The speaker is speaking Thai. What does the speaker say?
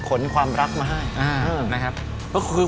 ขนความรักมาให้